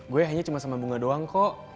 gue hanya cuma sama bunga doang kok